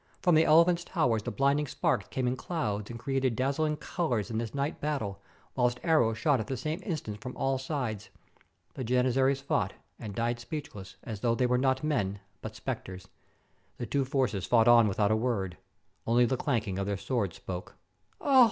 From the elephants' towers the blinding sparks came in clouds, and created dazzling colors in this night battle, whilst arrows shot at the same instant from all sides. The Jan izaries fought and died speechless, as though they were 467 TURKEY not men, but specters. The two forces fought without a word. Only the clanking of their swords spoke.